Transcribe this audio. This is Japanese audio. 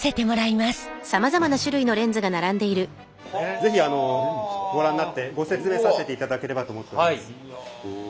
是非ご覧になってご説明させていただければと思っております。